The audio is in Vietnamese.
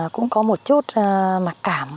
cũng có một chút mặc cảm